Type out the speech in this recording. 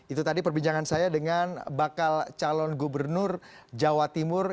itu tadi perbincangan saya dengan bakal calon gubernur jawa timur